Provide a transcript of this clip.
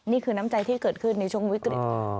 นี่คือน้ำใจที่เกิดขึ้นในช่วงวิกฤต